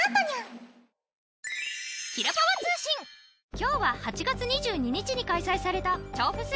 今日は８月２２日に開催されたちゃおフェス